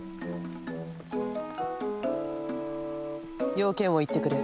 要件を言ってくれ。